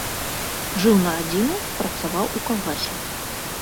Жыў на радзіме, працаваў у калгасе.